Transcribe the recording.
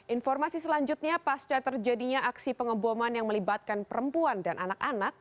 informasi selanjutnya pasca terjadinya aksi pengeboman yang melibatkan perempuan dan anak anak